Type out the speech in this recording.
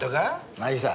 まあいいさ。